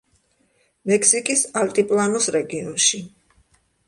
მექსიკის ალტიპლანოს რეგიონში.